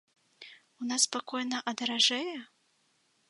У нас спакойна, а даражэе?